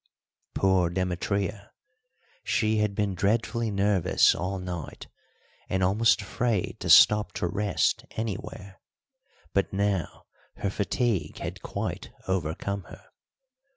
Poor Demetria, she had been dreadfully nervous all night and almost afraid to stop to rest anywhere, but now her fatigue had quite overcome her.